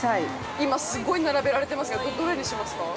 今すごい並べられてますけどどれにしますか？